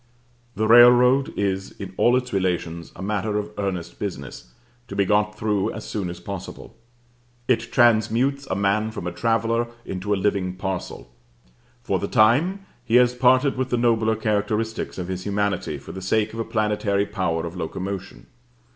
The railroad is in all its relations a matter of earnest business, to be got through as soon as possible. It transmutes a man from a traveller into a living parcel. For the time he has parted with the nobler characteristics of his humanity for the sake of a planetary power of locomotion.